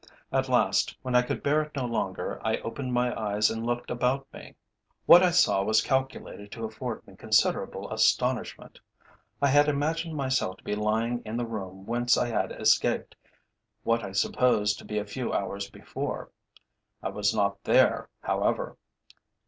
At last, when I could bear it no longer, I opened my eyes and looked about me. What I saw was calculated to afford me considerable astonishment. I had imagined myself to be lying in the room whence I had escaped, what I supposed to be a few hours before. I was not there, however.